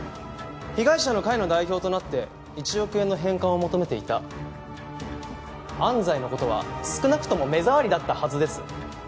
被害者の会の代表となって１億円の返還を求めていた安西のことは少なくとも目障りだったはずです。